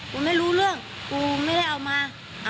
ไม่รู้เรื่องกูไม่ได้เอามา